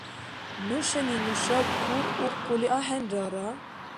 Нушани нушаб кур укъули ахӀенрара?